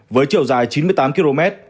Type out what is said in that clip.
với chiều dài chín mươi tám km